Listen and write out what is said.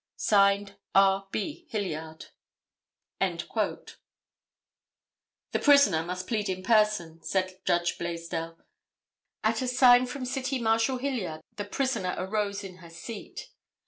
(Signed) R. B. HILLIARD." "The prisoner must plead in person," said Judge Blaisdell. At a sign from City Marshal Hilliard the prisoner arose in her seat.